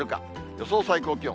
予想最高気温。